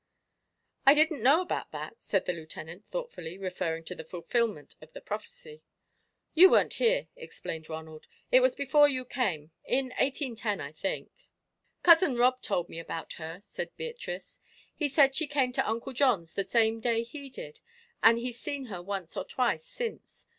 "I didn't know about that," said the Lieutenant, thoughtfully, referring to the fulfilment of the prophecy. "You weren't here," explained Ronald. "It was before you came in 1810, I think." "Cousin Rob told me about her," said Beatrice. "He said she came to Uncle John's the same day he did, and he's seen her once or twice since.